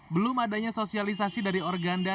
belum adanya sosialisasi dari organda